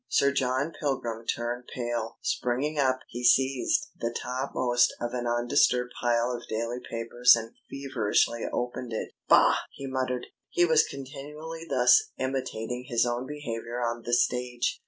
Sir John Pilgrim turned pale. Springing up, he seized the topmost of an undisturbed pile of daily papers and feverishly opened it. "Bah!" he muttered. He was continually thus imitating his own behaviour on the stage.